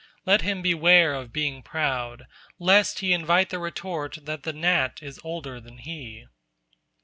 Let him beware of being proud, lest he invite the retort that the gnat is older than he.